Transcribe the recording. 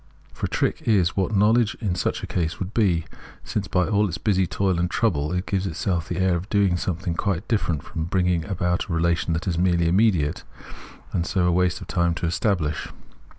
For a trick is what knowledge in such a case would be, since by all its busy toil and trouble it gives itself the air of doing something quite different from bringing about a relation that is merely immediate, and so a waste of time to estabhsh.